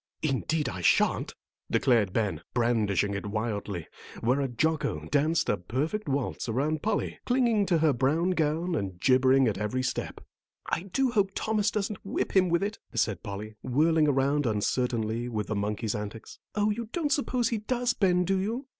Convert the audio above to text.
"Indeed, I shan't," declared Ben, brandishing it wildly, whereat Jocko danced a perfect waltz around Polly, clinging to her brown gown and gibbering at every step. "I do hope Thomas doesn't whip him with it," said Polly, whirling around uncertainly with the monkey's antics. "Oh, you don't suppose he does, Ben, do you?"